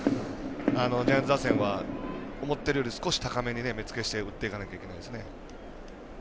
ジャイアンツ打線は思っているより高めに目つけして打っていかなきゃいけないですね。